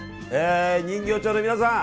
人形町の皆さん